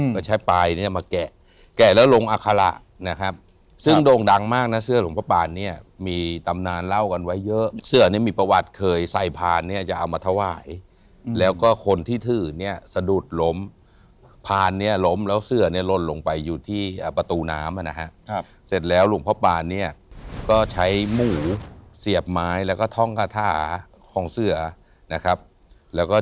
ก็ใช้ปลายเนี่ยมาแกะแกะแล้วลงอาคาระนะครับซึ่งโด่งดังมากนะเสื้อหลวงพ่อปานเนี่ยมีตำนานเล่ากันไว้เยอะเสื้อนี้มีประวัติเคยใส่พานเนี่ยจะเอามาถวายแล้วก็คนที่ถือเนี่ยสะดุดล้มพานเนี่ยล้มแล้วเสื้อเนี่ยลนลงไปอยู่ที่ประตูน้ำนะฮะเสร็จแล้วหลวงพ่อปานเนี่ยก็ใช้หมูเสียบไม้แล้วก็ท่องคาถาของเสือนะครับแล้วก็